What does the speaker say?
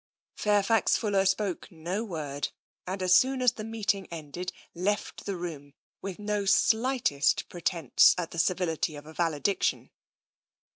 Fairfax Fuller spoke no word, and as soon as the meeting ended left the room with no slightest pretence at the civility of a valediction.